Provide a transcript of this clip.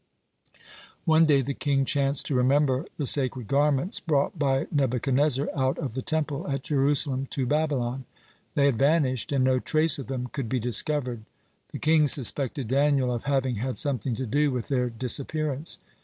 One day the king chanced to remember the sacred garments brought by Nebuchadnezzar out of the Temple at Jerusalem to Babylon. They had vanished, and no trace of them could be discovered. The king suspected Daniel of having had something to do with their disappearance.